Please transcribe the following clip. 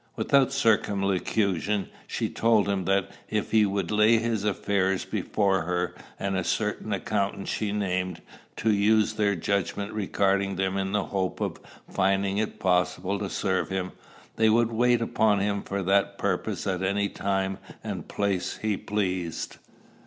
Without circumlocution, she told him that if he would lay his affairs before her and a certain accountant she named, to use their judgment regarding them in the hope of finding it possible to serve him, they would wait upon him for that purpose at any time and place he pleased.